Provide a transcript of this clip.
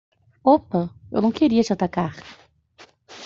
Opa, eu não queria te atacar!